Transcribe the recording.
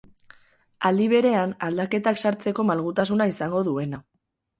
Aldi berean, aldaketak sartzeko malgutasuna izango duena.